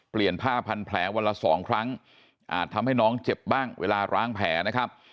เปลี่ยนผ้าพันธุ์แผลวันละ๒ครั้งอาจทำให้น้องเจ็บบ้างเวลาร้างแผลนะครับ